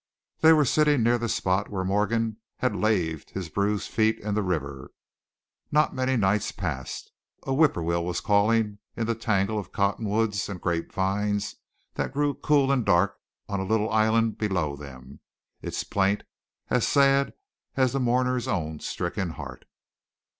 They were sitting near the spot where Morgan had laved his bruised feet in the river not many nights past. A whippoorwill was calling in the tangle of cottonwoods and grapevines that grew cool and dark on a little island below them, its plaint as sad as the mourner's own stricken heart.